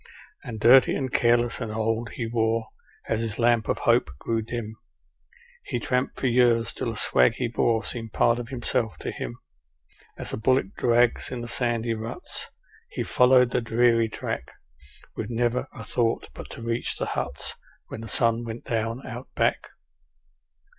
And dirty and careless and old he wore, as his lamp of hope grew dim; He tramped for years till the swag he bore seemed part of himself to him. As a bullock drags in the sandy ruts, he followed the dreary track, With never a thought but to reach the huts when the sun went down Out Back.